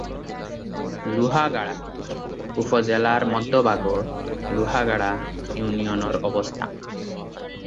লোহাগাড়া উপজেলার মধ্যভাগে লোহাগাড়া ইউনিয়নের অবস্থান।